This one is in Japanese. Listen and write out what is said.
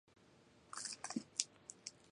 不動産収入が欲しい。